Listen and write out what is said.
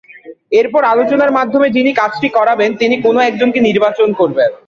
এরপর আলোচনার মাধ্যমে যিনি কাজটি করাবেন তিনি কোনো একজনকে নির্বাচন করবেন।